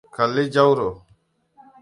Kalli Jauro.